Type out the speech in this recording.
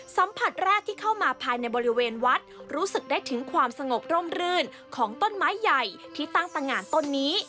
สัมผัสแรกที่เข้ามาภายในบริเวณวัดรู้สึกได้ถึงความสงบร่มรื่นของต้นไม้ใหญ่ที่ตั้งตะงานต้นนี้